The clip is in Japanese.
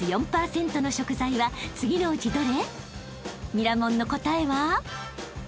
［ミラモンの答えは？］